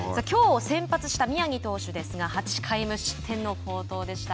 きょう先発した宮城投手ですが８回無失点の好投でした。